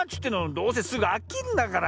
どうせすぐあきんだから。